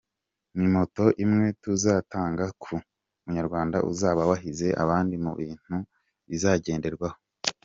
Ni moto imwe tuzatanga ku munyarwanda uzaba wahize abandi mu bintu bizagenderwaho.